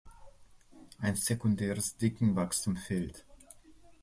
Ein sekundäres Dickenwachstum fehlt.